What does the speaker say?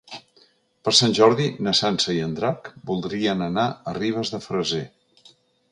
Per Sant Jordi na Sança i en Drac voldrien anar a Ribes de Freser.